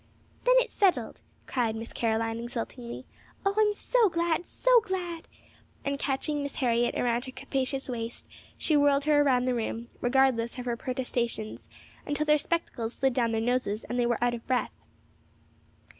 "Then it's settled!" cried Miss Caroline, exultingly. "O, I'm so glad!" and, catching Miss Harriet around her capacious waist, she whirled her around the room, regardless of her protestations, until their spectacles slid down their noses, and they were out of breath.